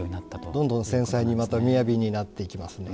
どんどん繊細にまたみやびになっていきますね。